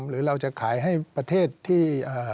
หรือเราจะขายให้ประเทศที่